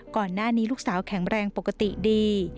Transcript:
ก่อนหน้านี้ลูกสาวแข็งแรงปกติดี